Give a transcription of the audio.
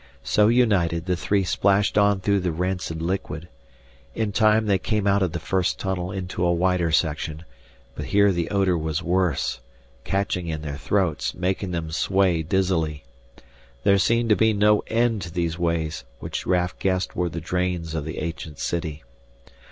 So united the three splashed on through the rancid liquid. In time they came out of the first tunnel into a wider section, but here the odor was worse, catching in their throats, making them sway dizzily. There seemed to be no end to these ways, which Raf guessed were the drains of the ancient city.